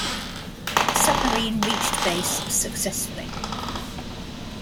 The submarine reached base successfully.